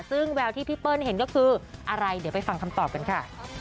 ซึ่งแววที่พี่เปิ้ลเห็นก็คืออะไรเดี๋ยวไปฟังคำตอบกันค่ะ